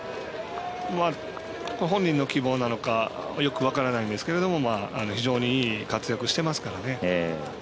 本人の希望なのかよく分からないですけど非常にいい活躍してますからね。